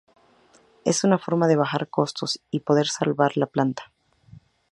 Es una forma de bajar costos y salvar la planta.